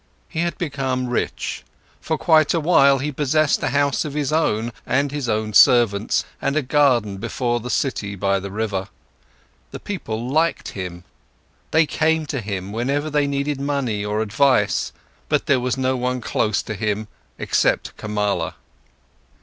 He had become rich, for quite a while he possessed a house of his own and his own servants, and a garden before the city by the river. The people liked him, they came to him, whenever they needed money or advice, but there was nobody close to him, except Kamala.